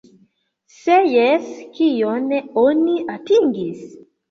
Se jes, kion oni atingis?